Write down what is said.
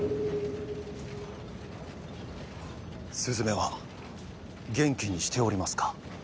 スズメは元気にしておりますか？